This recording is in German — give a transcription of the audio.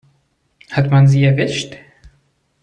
Hat man sie erwischt?